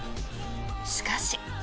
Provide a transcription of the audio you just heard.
しかし。